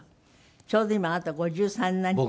ちょうど今あなた５３になって。